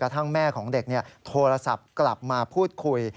ทั้งแม่ของเด็กโทรศัพท์กลับมาพูดคุย